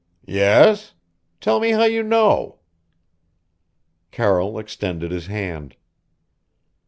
"Yes? Tell me how you know." Carroll extended his hand.